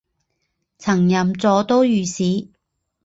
曾任左都御史。